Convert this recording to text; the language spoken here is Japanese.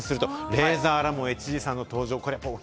レイザーラモンＨＧさんの登場。